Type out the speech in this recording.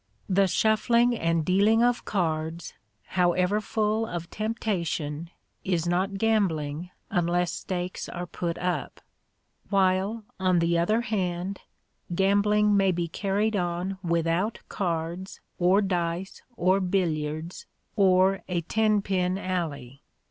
The shuffling and dealing of cards, however full of temptation, is not gambling, unless stakes are put up; while, on the other hand, gambling may be carried on without cards, or dice, or billiards, or a ten pin alley.